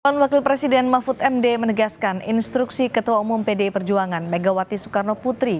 calon wakil presiden mahfud md menegaskan instruksi ketua umum pdi perjuangan megawati soekarno putri